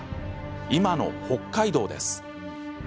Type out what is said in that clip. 今の北海道です。